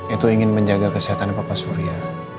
itu ingin menjaga kesehatan bapak surya